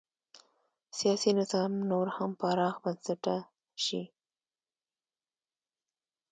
سیاسي نظام نور هم پراخ بنسټه شي.